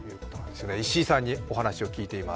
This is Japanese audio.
石井さんにお話を聞いています。